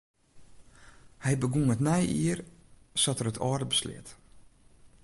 Hy begûn it nije jier sa't er it âlde besleat.